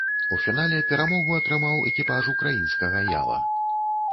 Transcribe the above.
У фінале перамогу атрымаў экіпаж украінскага яла.